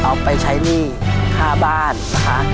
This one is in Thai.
เอาไปใช้หนี้ค่าบ้านนะคะ